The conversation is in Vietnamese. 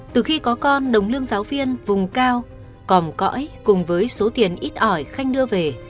từ khi có con đồng lương giáo viên vùng cao còm cõi cùng với số tiền ít ỏi khanh đưa về